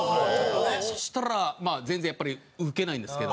そしたらまあ全然やっぱりウケないんですけど。